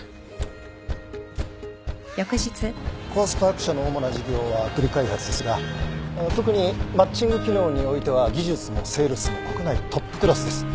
コアスパーク社の主な事業はアプリ開発ですが特にマッチング機能においては技術もセールスも国内トップクラスです。